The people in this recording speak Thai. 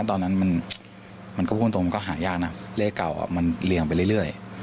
ตอนนั้นมันก็พูดตรงมันก็หายากนะเลขเก่ามันเหลี่ยงไปเรื่อย